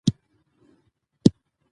زده کړه ښځه د کاروبار پیلولو توان لري.